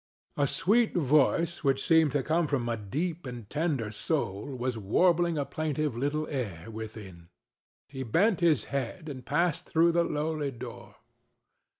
A sweet voice which seemed to come from a deep and tender soul was warbling a plaintive little air within. He bent his head and passed through the lowly door.